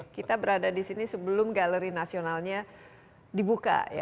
kita berada di sini sebelum galeri nasionalnya dibuka